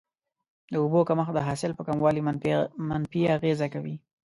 د اوبو کمښت د حاصل په کموالي منفي اغیزه کوي.